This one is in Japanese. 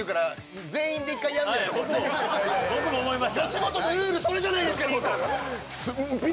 僕も思いました。